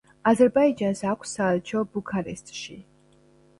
აზერბაიჯანს აქვს საელჩო ბუქარესტში.